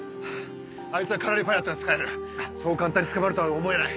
あいつはカラリパヤットが使えるそう簡単に捕まるとは思えない。